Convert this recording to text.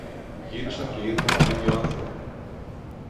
Γύρισαν και είδαν τον ίδιο άνθρωπο.